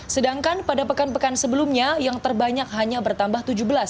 sedangkan pada pekan pekan sebelumnya yang terbanyak hanya bertambah tujuh belas